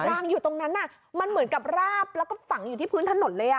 รางอยู่ตรงนั้นมันเหมือนกับราบแล้วก็ฝังอยู่ที่พื้นถนนเลย